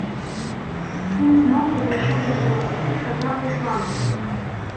Він знову зайшов до полотки й сказав Войславові: